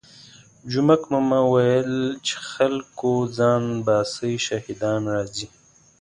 جومک ماما ویل چې خلکو ځان باسئ شهادیان راځي.